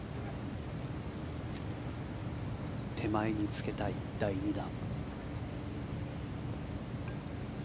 手前につけたい第２打。